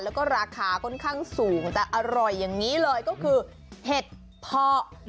แล้วก็ราคาค่อนข้างสูงแต่อร่อยอย่างนี้เลยก็คือเห็ดเพาะ